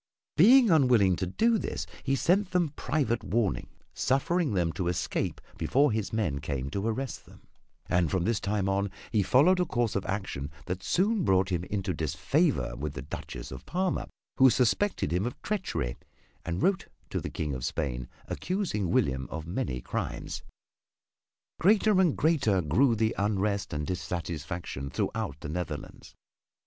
Being unwilling to do this he sent them private warning, suffering them to escape before his men came to arrest them; and from this time on he followed a course of action that soon brought him into disfavor with the Duchess of Parma who suspected him of treachery and wrote to the King of Spain accusing William of many crimes. Greater and greater grew the unrest and dissatisfaction throughout the Netherlands.